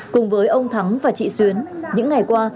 cùng với ông thắng và chị xuyến những ngày qua